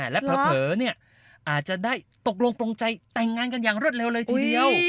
และเผลออาจจะได้ตกลงปรงใจแต่งงานกันอย่างรวดเร็วเลยทีเดียว